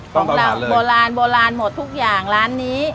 ของเราโบราณโบราณหมดทุกอย่างร้านนี้